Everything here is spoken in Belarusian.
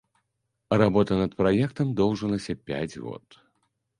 Работа над праектам доўжылася пяць год.